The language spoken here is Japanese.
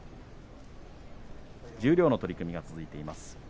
十両の取組が続いています。